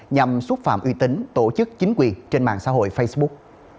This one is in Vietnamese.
nhằm xúc phạm uy tín tổ chức chính quyền trên mạng xã hội facebook